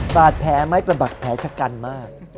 ปากแผลไม่ประบักแผลชะกันมาก